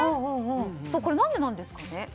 何でなんですかね。